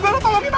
tolong aku bara